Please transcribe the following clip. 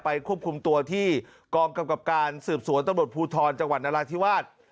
ควบคุมตัวที่กองกำกับการสืบสวนตำรวจภูทรจังหวัดนราธิวาส